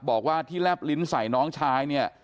บอกว่าที่แลบลิ้นใส่น้องชายเนี่ย